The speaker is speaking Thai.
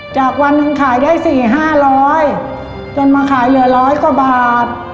จากวันนึงขายได้สี่ห้าร้อยจนมาขายเหลือร้อยกว่าบาท